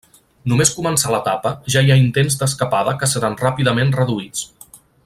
Només començar l'etapa ja hi ha intents d'escapada que seran ràpidament reduïts.